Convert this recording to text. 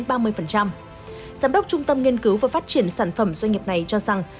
giám đốc trung tâm nghiên cứu và phát triển sản phẩm doanh nghiệp này cho rằng